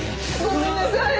ごめんなさい！